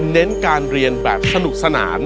เน้นการเรียนแบบสนุกสนาน